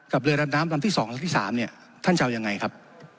กับเรือดำน้ำลำที่สองที่สามเนี้ยท่านจะเอายังไงครับ